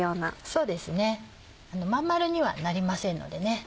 そうですね真ん丸にはなりませんのでね。